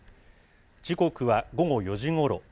時刻は午後４時ごろ。